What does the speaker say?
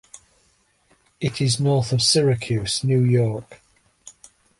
It is north of Syracuse, New York.